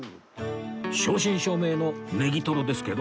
正真正銘のねぎとろですけど